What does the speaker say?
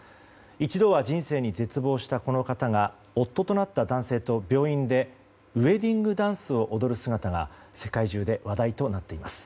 一度は人生に絶望したこの方が夫となった男性と病院とウェディングダンスを踊る姿が世界中で話題となっています。